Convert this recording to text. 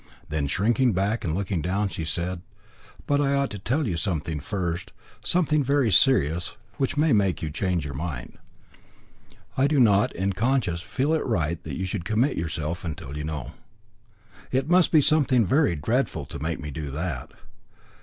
Then, shrinking back and looking down, she said: "But I ought to tell you something first, something very serious, which may make you change your mind. I do not, in conscience, feel it right that you should commit yourself till you know." "It must be something very dreadful to make me do that."